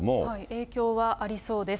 影響はありそうです。